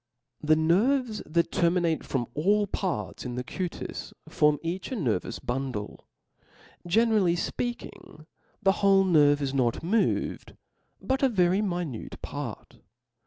The nerves that terminate from all parts in the cutis, form each a nervous bundle ; generally fpeaking, the whole nerve is not moved, but a very minute part.